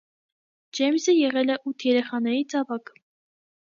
Ջեյմսը եղել է ութ երեխաներից ավագը։